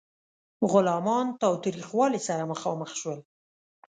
غلامان تاوتریخوالي سره مخامخ شول.